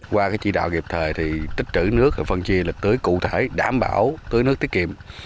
qua cái chỉ đạo kịp thời thì tích trữ nước và phân chia lịch tưới cụ thể đảm bảo tưới nước tiết kiệm